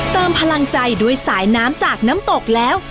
เติมพลังใจด้วยสายน้ำจากน้ำตกแล้ว